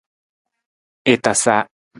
I tasa.